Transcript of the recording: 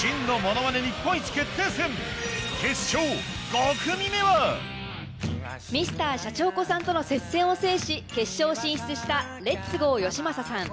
５組目はＭｒ．シャチホコさんとの接戦を制し決勝進出したレッツゴーよしまささん。